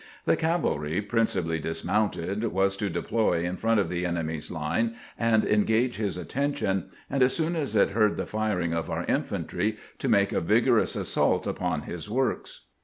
The cavalry, prin cipally dismounted, was to deploy in front of the enemy's line and engage his attention, and as soon as it heard the firing of our infantry to make a vigorous assault upon his works.